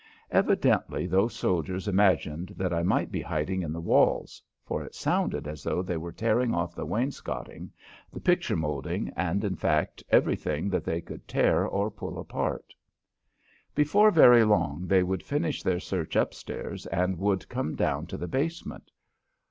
Evidently those soldiers imagined that I might be hiding in the walls, for it sounded as though they were tearing off the wainscoting, the picture molding, and, in fact, everything that they could tear or pull apart. Before very long they would finish their search up stairs and would come down to the basement.